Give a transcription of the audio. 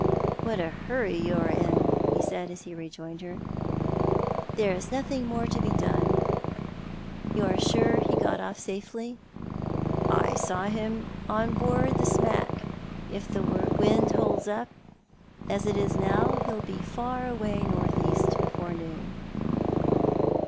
"What a hurry you are in !" he said, as he rejoined her. " There is nothing more to be done. You are sure he got off safely ?"" I saw him on board the smack. If the wind holds as it is now he'll be far away north east before noon."